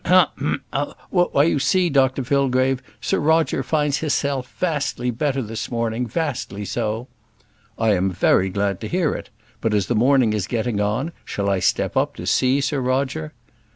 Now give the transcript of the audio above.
"Hem! ha! oh! Why, you see, Dr Fillgrave, Sir Roger finds hisself vastly better this morning, vastly so." "I'm very glad to hear it; but as the morning is getting on, shall I step up to see Sir Roger?"